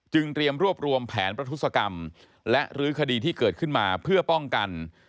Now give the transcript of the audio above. เตรียมรวบรวมแผนประทุศกรรมและรื้อคดีที่เกิดขึ้นมาเพื่อป้องกัน